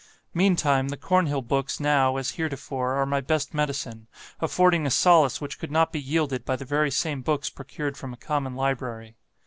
Meantime, the Cornhill books now, as heretofore, are my best medicine, affording a solace which could not be yielded by the very same books procured from a common library.